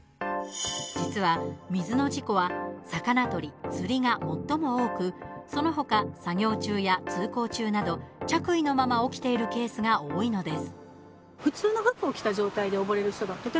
実は水の事故は魚とり釣りが最も多くその他作業中や通行中など着衣のまま起きているケースが多いのです。